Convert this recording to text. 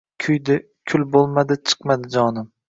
Kuydi, kul bo’lmadi, chiqmadi jonim